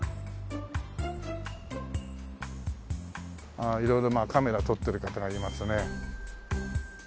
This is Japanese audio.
ああ色々カメラ撮ってる方がいますね。